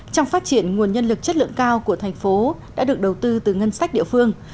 trong phát triển nguồn nhân lực chất lượng cao của thành phố đã được đầu tư từ ngân sách địa phương